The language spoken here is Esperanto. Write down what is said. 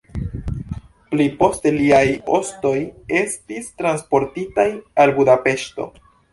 Pli poste liaj ostoj estis transportitaj al Budapeŝto.